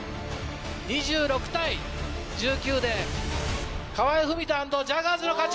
２６対１９で河合郁人＆ジャガーズの勝ち！